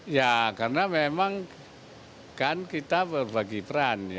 ya karena memang kan kita berbagi peran